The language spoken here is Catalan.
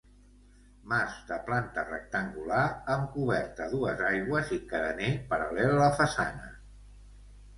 Mas de planta rectangular, amb coberta a dues aigües i carener paral·lel a la façana.